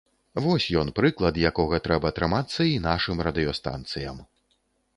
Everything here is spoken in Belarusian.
Вось ён прыклад, якога трэба трымацца і нашым радыёстанцыям.